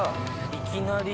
いきなり。